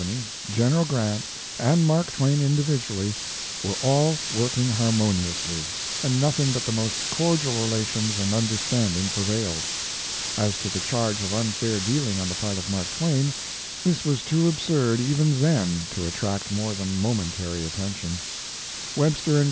General Grant, and Mark Twain individually, were all working harmoniously, and nothing but the most cordial relations and understanding prevailed. As to the charge of unfair dealing on the part of Mark Twain, this was too absurd, even then, to attract more than momentary attention. Webster & Co.